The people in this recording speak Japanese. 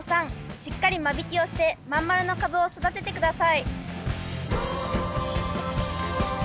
しっかり間引きをしてまん丸のカブを育てて下さい。